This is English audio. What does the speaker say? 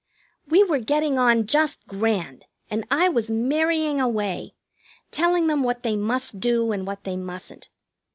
We were getting on just grand, and I was marrying away, telling them what they must do and what they mustn't.